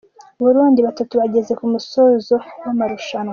Burundi Batatu bageze ku musozo w’amarushanwa